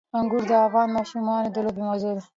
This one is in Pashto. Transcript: انګور د افغان ماشومانو د لوبو موضوع ده.